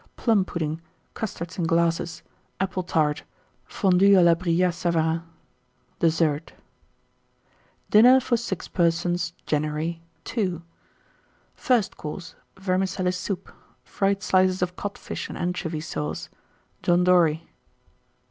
Plum pudding. Custards in Glasses. Apple Tart. Fondue à la Brillat Savarin. DESSERT. 1892. DINNER FOR 6 PERSONS (January). II. FIRST COURSE. Vermicelli Soup. Fried Slices of Codfish and Anchovy Sauce. John Dory.